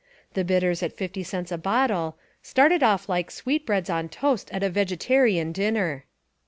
The bitters at fifty cents a bottle "started off like sweetbreads on toast at a vegetarian dinner."